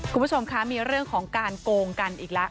คุณผู้ชมคะมีเรื่องของการโกงกันอีกแล้ว